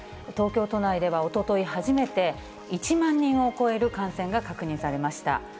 東京都内ではおととい初めて、１万人を超える感染が確認されました。